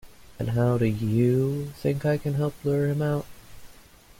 And how do you think I can help lure him out?